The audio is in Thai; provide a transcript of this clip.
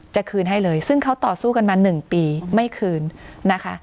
จะคืนให้เลยซึ่งเขาต่อสู้กันมา๑ปีไม่คืนนะคะ